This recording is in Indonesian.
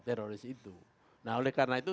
teroris itu nah oleh karena itu